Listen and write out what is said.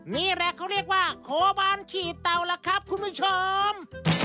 นี่แหละคณะเรียกว่าโขบัญขี่เตาหรือน่ะครับคุณผู้ชม